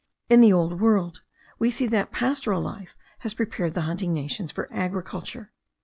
In the old world we see that pastoral life has prepared the hunting nations for agriculture.